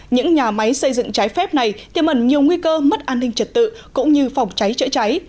những nhà máy xây dựng trái phép này tiêm ẩn nhiều nguy cơ mất an ninh trật tự cũng như phòng cháy chữa cháy